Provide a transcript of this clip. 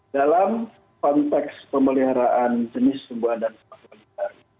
dalam konteks pemeliharaan jenis tumbuhan dan satwa liar